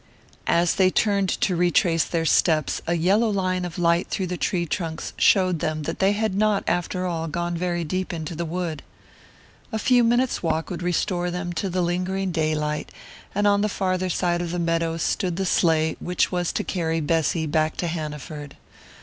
As they turned to retrace their steps a yellow line of light through the tree trunks showed them that they had not, after all, gone very deep into the wood. A few minutes' walk would restore them to the lingering daylight, and on the farther side of the meadow stood the sleigh which was to carry Bessy back to Hanaford.